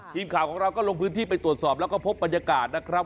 ทีมข่าวของเราก็ลงพื้นที่ไปตรวจสอบแล้วก็พบบรรยากาศนะครับ